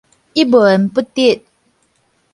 一文不值